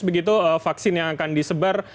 begitu vaksin yang akan disebar